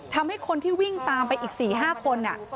ทำให้คนที่วิ่งตามไปอีก๔๕คน